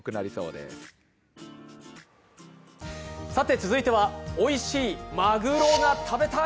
続いてはおいしいマグロが食べたい！